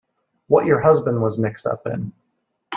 What your husband was mixed up in.